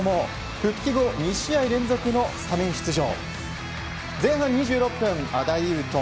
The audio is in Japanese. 復帰後２試合連続のスタメン出場。